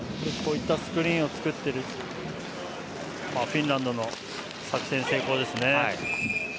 こうしたスクリーンを作っていたフィンランドの作戦成功です。